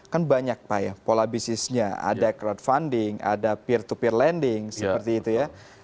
kan banyak pak ya pola bisnisnya ada crowdfunding ada peer to peer lending seperti itu ya